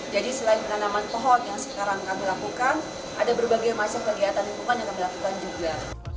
jadi selain penanaman pohon yang sekarang kami lakukan ada berbagai masyarakat kegiatan lingkungan yang kami lakukan juga